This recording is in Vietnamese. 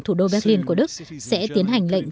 thủ đô berlin của đức sẽ tiến hành lệnh